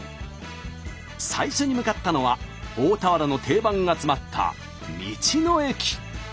最初に向かったのは大田原の定番が詰まった道の駅。